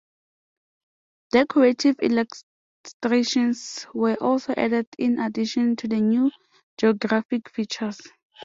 Decorative illustrations were also added in addition to the new geographic features.